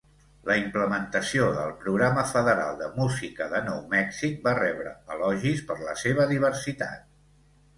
La implementació del Programa Federal de Música de nou Mèxic va rebre elogis per la seva diversitat.